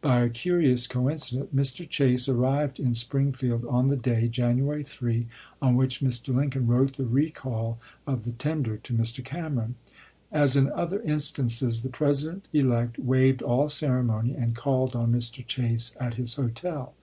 By a curious coin pp. 364,365. cidence, Mr. Chase arrived in Springfield on the day (January 3) on which Mr. Lincoln wrote the recall of the tender to Mr. Cameron. As in other instances, the President elect waived all ceremony and called on Mr. Chase at his hotel.